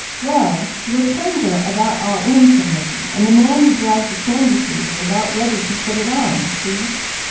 "Well the returns are about all in," said Mickey, "and the man who draws the candy suit is about ready to put it on. See?"